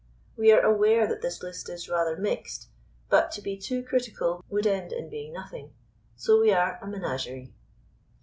We are aware that this list is rather mixed; but to be too critical would end in being nothing, so we are a Menagerie.